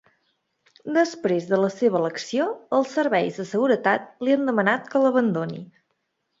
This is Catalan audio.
Després de la seva elecció, els serveis de seguretat li han demanat que l'abandoni.